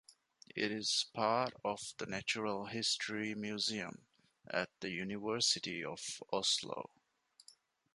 It is part of the Natural History Museum at the University of Oslo.